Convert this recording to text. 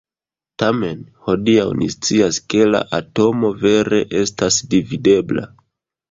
Tamen, hodiaŭ ni scias ke la atomo vere estas dividebla.